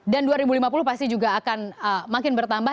dan dua ribu lima puluh pasti juga akan makin bertambah